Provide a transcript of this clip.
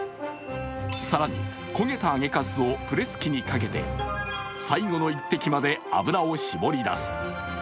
更に焦げた揚げかすをプレス機にかけて最後の一滴まで油を絞り出す。